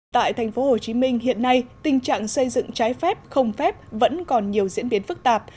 tại tp hcm hiện nay tình trạng xây dựng trái phép không phép vẫn còn nhiều diễn biến phức tạp